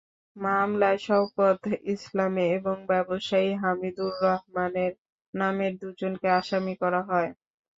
মামলায় শওকত ইসলাম এবং ব্যবসায়ী হামিদুর রহমানের নামের দুজনকে আসামি করা হয়।